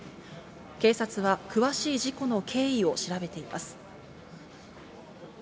警察は詳しい事故の経緯を調べています。